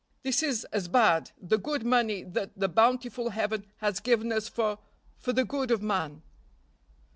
This is as bad; the good money that the bountiful Heaven has given us for for the good of man."